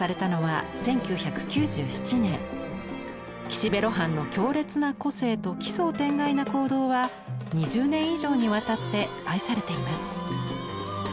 岸辺露伴の強烈な個性と奇想天外な行動は２０年以上にわたって愛されています。